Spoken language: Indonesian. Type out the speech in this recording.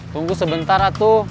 tunggu sebentar atu